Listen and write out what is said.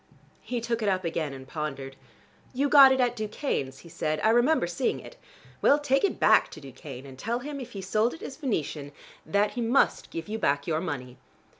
He took it up again and pondered. "You got it at Ducane's," he said. "I remember seeing it. Well, take it back to Ducane, and tell him if he sold it as Venetian, that he must give you back your money.